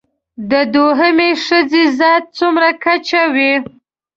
د دوهمې ښځې ذات څومره کچه وي